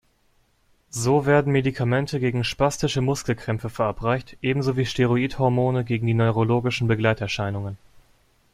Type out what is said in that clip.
So werden Medikamente gegen spastische Muskelkrämpfe verabreicht, ebenso wie Steroidhormone gegen die neurologischen Begleiterscheinungen.